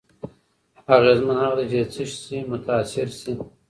اغېزمن هغه دی چې له څه شي متأثر شي.